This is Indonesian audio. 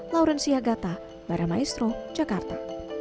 lauren siagata baramaestro jakarta